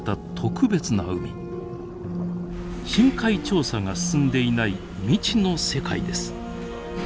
深海調査が進んでいない未知の世界です。